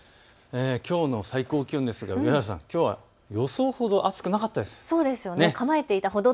きょうの最高気温ですがきょうは予想ほど暑くなかったです。